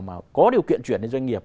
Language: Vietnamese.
mà có điều kiện chuyển lên doanh nghiệp